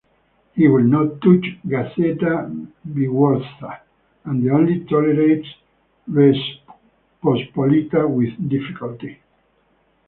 He will not touch "Gazeta Wyborcza" and only tolerates "Rzeczpospolita" with difficulty.